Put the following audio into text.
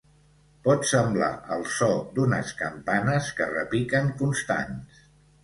Pot semblar el so d’unes campanes que repiquen constants.